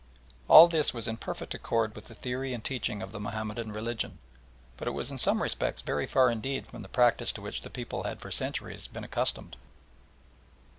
All this was in perfect accord with the theory and teaching of the Mahomedan religion, but it was in some respects very far indeed from the practice to which the people had for centuries been accustomed.